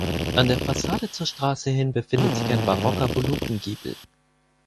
An der Fassade zur Straße hin befindet sich ein barocker Volutengiebel.